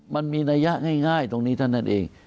มันมีนัยยะง่ายตรงนี้เท่านั้นเอง